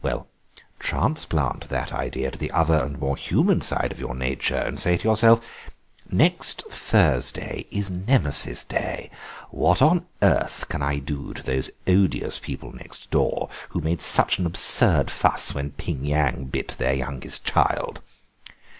Well, transplant that idea to the other and more human side of your nature, and say to yourself: 'Next Thursday is Nemesis Day; what on earth can I do to those odious people next door who made such an absurd fuss when Ping Yang bit their youngest child?